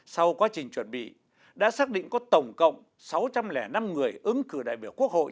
sau quá trình chuẩn bị đã xác định có tổng cộng sáu trăm linh năm người ứng cử đại biểu quốc hội